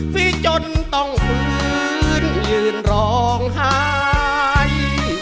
ฟีจนต้องฝืนยืนร้องไห้